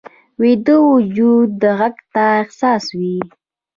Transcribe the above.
ویده وجود غږ ته حساس وي